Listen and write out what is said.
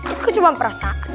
itu cuma perasaan